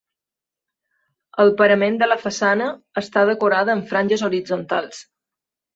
El parament de la façana està decorada amb franges horitzontals.